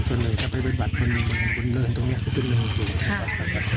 ส่วนไปบัดตรงเนินส่วนพะท่านคุณครับ